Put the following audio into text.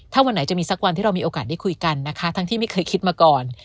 ถ้าวันไหนจะมีสักวันที่เรามีโอกาสได้คุยกันนะคะทั้งที่ไม่เคยคิดมาก่อน